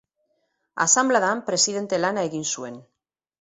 Asanbladan presidente lana egin zuen.